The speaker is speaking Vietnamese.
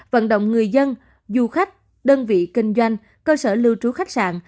vận động người dân du khách đơn vị kinh doanh cơ sở lưu trú khách sạn